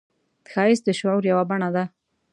ښایست د شعور یوه بڼه ده